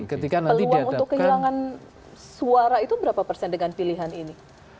peluang untuk kehilangan suara itu berapa persen dengan pilihan ini